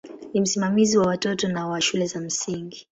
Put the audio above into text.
Ni msimamizi wa watoto na wa shule za msingi.